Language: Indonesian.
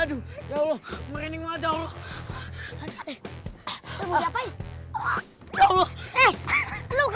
aduh ya allah